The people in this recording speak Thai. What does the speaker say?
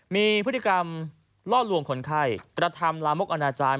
มีพฤติกรรมล่อลวงคนไข้กระทำลามกอนาจารย์